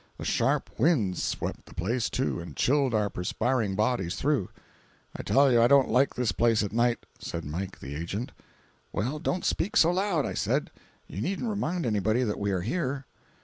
A sharp wind swept the place, too, and chilled our perspiring bodies through. "I tell you I don't like this place at night," said Mike the agent. "Well, don't speak so loud," I said. "You needn't remind anybody that we are here."